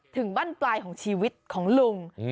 ถึงบ้านปลายของชีวิตของลุง